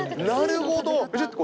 なるほど。